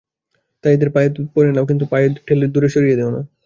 তাই, এদের পায়ে পরে নাও কিন্তু পায়ে ঠেলে দূরে সরিয়ে দিয়ো না।